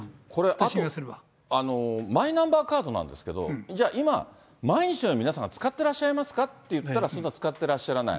あと、これ、マイナンバーカードなんですけど、じゃあ今、毎日皆さんが使ってらっしゃいますかっていったら、使ってらっしゃらない。